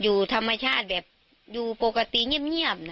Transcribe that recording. อยู่ธรรมชาติแบบอยู่ปกติเงียบนะ